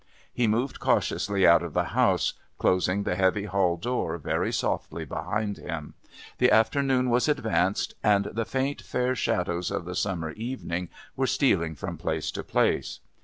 He moved cautiously out of the house, closing the heavy hall door very softly behind him; the afternoon was advanced, and the faint fair shadows of the summer evening were stealing from place to place.